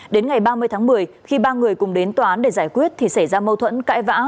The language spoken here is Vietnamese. đến ngày ba mươi tháng một mươi khi ba người cùng đến tòa án để giải quyết thì xảy ra mâu thuẫn cãi vã